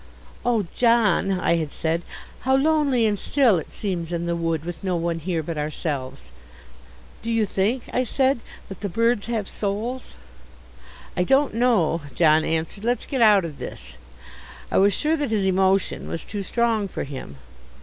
"Oh, John," I had said, "how lonely and still it seems in the wood with no one here but ourselves! Do you think," I said, "that the birds have souls?" "I don't know," John answered, "let's get out of this." I was sure that his emotion was too strong for him.